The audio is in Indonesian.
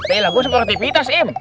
eh lah gue seperti vitas im